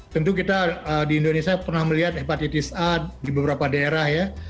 tentu kita di indonesia pernah melihat hepatitis a di beberapa daerah ya